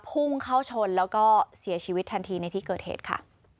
พุ่งเข้าชนแล้วก็เสียชีวิตทันทีในที่เกิดเหตุค่ะ